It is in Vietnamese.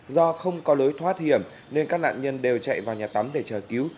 do không có lối thoát hiểm nên các nạn nhân đều chạy vào nhà tắm để chờ cứu